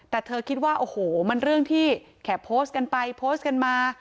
แต่เธอคิดว่าโอ้โหมันเรื่องที่แค่โพสต์กันไปโพสต์กันมา